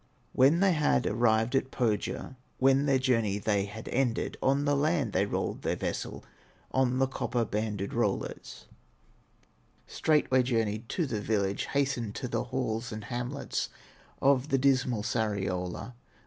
When they had arrived at Pohya, When their journey they had ended, On the land they rolled their vessel, On the copper banded rollers, Straightway journeyed to the village, Hastened to the halls and hamlets Of the dismal Sariola.